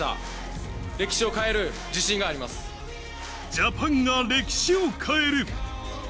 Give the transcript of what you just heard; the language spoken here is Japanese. ジャパンが歴史を変える。